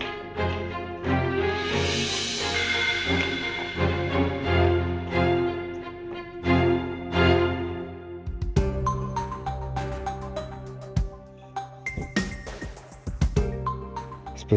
saya menuju ke dapur